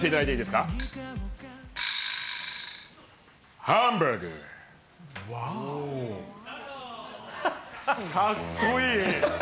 かっこいい。